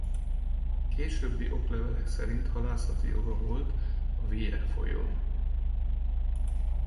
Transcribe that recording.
Későbbi oklevelek szerint halászati joga volt a Wye folyón.